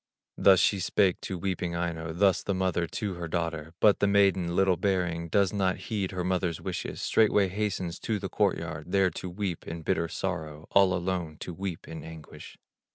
Thus she spake to weeping Aino, Thus the mother to her daughter; But the maiden, little hearing, Does not heed her mother's wishes; Straightway hastens to the court yard, There to weep in bitter sorrow, All alone to weep in anguish.